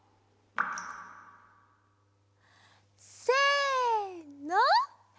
せの。